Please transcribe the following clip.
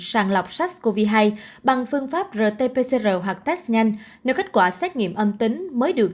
sàng lọc sars cov hai bằng phương pháp rt pcr hoặc test nhanh nếu kết quả xét nghiệm âm tính mới được